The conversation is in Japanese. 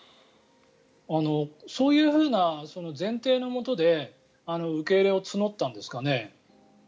そういうふうな前提のもとで受け入れを募ったんですかね。